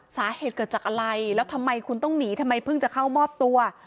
สาเหตุเกิดจากอะไรแล้วทำไมคุณต้องหนีทำไมเพิ่งจะเข้ามอบตัว